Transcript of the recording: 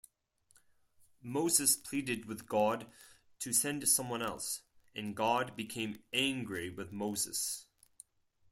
Moses pleaded with God to send someone else, and God became angry with Moses.